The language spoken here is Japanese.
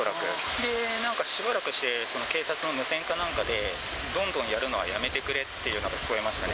で、なんかしばらくして、その警察の無線かなんかで、どんどんやるのはやめてくれっていうのが聞こえましたね。